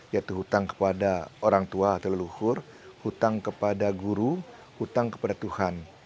yaitu utang kepada orang tua atau leluhur utang kepada guru utang kepada tuhan